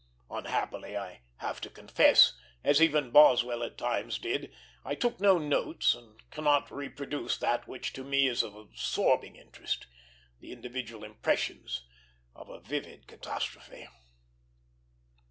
Unhappily, I have to confess, as even Boswell at times did, I took no notes, and cannot reproduce that which to me is of absorbing interest, the individual impressions of a vivid catastrophe.